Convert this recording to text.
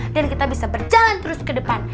dan kita bisa berjalan terus ke depan